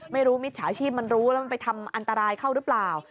มิจฉาชีพมันรู้แล้วมันไปทำอันตรายเข้าหรือเปล่า